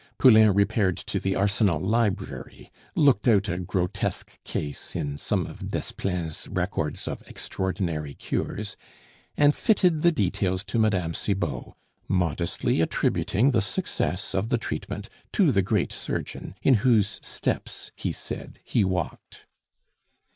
Poulain repaired to the Arsenal Library, looked out a grotesque case in some of Desplein's records of extraordinary cures, and fitted the details to Mme. Cibot, modestly attributing the success of the treatment to the great surgeon, in whose steps (he said) he walked.